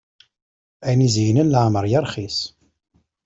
Ayen izeynen leɛmeṛ yeṛxis.